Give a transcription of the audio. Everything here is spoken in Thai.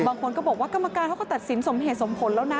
บางคนก็บอกว่ากรรมการเขาก็ตัดสินสมเหตุสมผลแล้วนะ